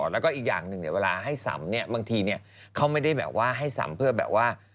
แล้วก็อีกอย่างหนึ่งเนี่ยเวลาให้สำเนี่ยบางทีเขาไม่ได้แบบว่าให้สำเพื่อแบบว่า